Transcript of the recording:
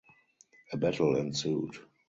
A battle ensued.